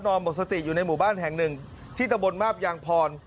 หมดสติอยู่ในหมู่บ้านแห่งหนึ่งที่ตะบนมาบยางพร